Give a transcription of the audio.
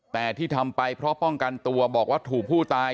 แต่ที่ทำไปเพราะป้องกันตัวบอกว่าถูกผู้ตาย